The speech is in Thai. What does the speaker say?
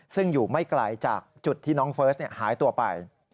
ซึ่งอยู่ไม่ไกลจากจุดที่น้องเฟิร์สหายตัวไป